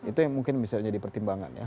itu yang mungkin bisa jadi pertimbangan ya